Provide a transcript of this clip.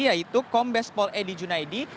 yaitu kombes pol edy junaedi